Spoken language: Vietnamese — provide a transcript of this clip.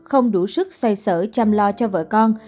không đủ sức xoay sở chăm lo cho vợ con